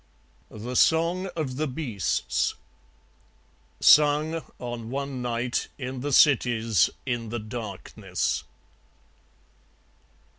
The Song of the Beasts (Sung, on one night, in the cities, in the darkness.)